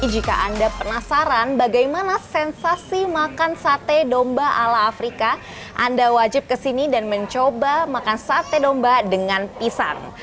jika anda penasaran bagaimana sensasi makan sate domba ala afrika anda wajib kesini dan mencoba makan sate domba dengan pisang